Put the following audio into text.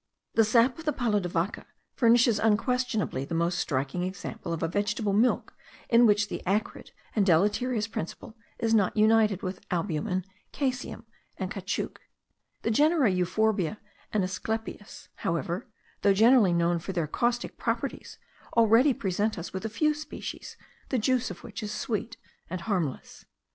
The sap of the palo de vaca furnishes unquestionably the most striking example of a vegetable milk in which the acrid and deleterious principle is not united with albumen, caseum, and caoutchouc: the genera euphorbia and asclepias, however, though generally known for their caustic properties, already present us with a few species, the juice of which is sweet and harmless.